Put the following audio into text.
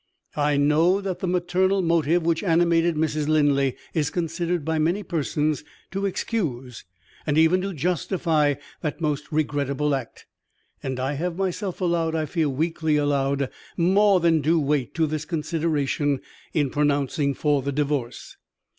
I know that the maternal motive which animated Mrs. Linley is considered, by many persons, to excuse and even to justify that most regrettable act; and I have myself allowed (I fear weakly allowed) more than due weight to this consideration in pronouncing for the Divorce.